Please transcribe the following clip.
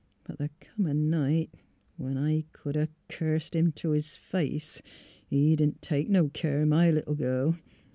But th' come a night when — when I could 'a' cursed Him t' His face! He didn't take no care o' my little girl.